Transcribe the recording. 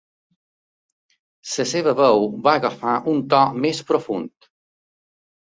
La seva veu va agafar un to més profund.